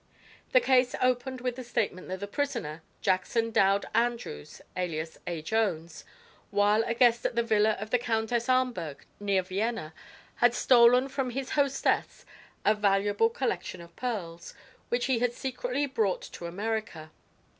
The case opened with the statement that the prisoner, Jackson Dowd Andrews, alias A. Jones, while a guest at the villa of the Countess Ahmberg, near Vienna, had stolen from his hostess a valuable collection of pearls, which he had secretly brought to America.